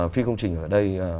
phi công trình ở đây